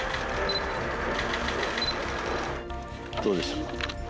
どうでしたか？